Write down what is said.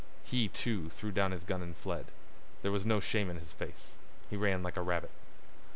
He, too, threw down his gun and fled. There was no shame in his face. He ran like a rabbit.